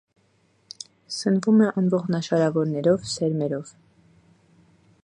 Սնվում է անողնաշարավորներով, սերմերով։